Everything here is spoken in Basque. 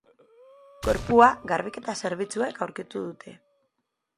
Gorpua garbiketa zerbitzuek aurkitu dute.